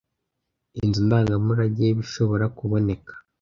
Inzu ndangamurage y'ibishobora kuboneka